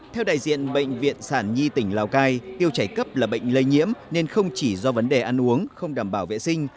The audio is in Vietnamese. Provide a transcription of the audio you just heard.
theo đại diện bệnh viện sản nhi tỉnh lào cai tiêu chảy cấp là bệnh lây nhiễm nên không chỉ do vấn đề ăn uống không đảm bảo vệ sinh